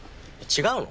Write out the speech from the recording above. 違うの？